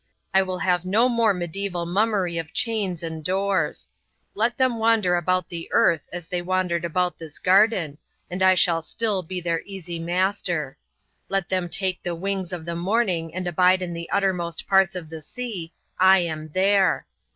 I will have no more medieval mummery of chains and doors. Let them wander about the earth as they wandered about this garden, and I shall still be their easy master. Let them take the wings of the morning and abide in the uttermost parts of the sea I am there.